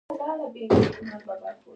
د صنعتي انقلاب مرکزونه ګڼل کېدل.